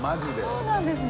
そうなんですね。